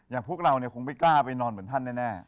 อย่างพวกเราคงไม่กล้าไปนอนเหมือนท่านแน่